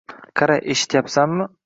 Qara, eshityapsanmi?